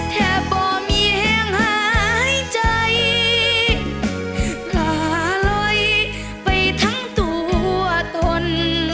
บ่มีแห่งหายใจหลาลอยไปทั้งตัวตน